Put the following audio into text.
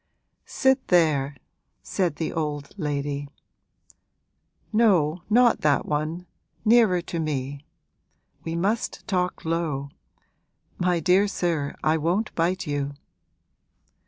'Sit there,' said the old lady; 'no, not that one, nearer to me. We must talk low. My dear sir, I won't bite you!'